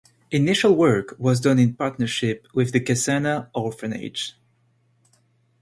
Initial work was done in partnership with the Kasana Orphanage.